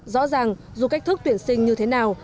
rõ ràng dù cách thức tuyển sinh như thế nào